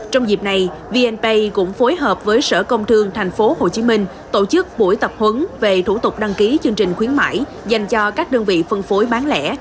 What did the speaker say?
trong dịp này vnpay cũng phối hợp với sở công thương tp hcm tổ chức buổi tập huấn về thủ tục đăng ký chương trình khuyến mại dành cho các đơn vị phân phối bán lẻ